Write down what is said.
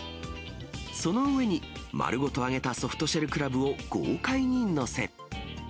その上に丸ごと揚げたソフトシェルクラブを豪快に載せ。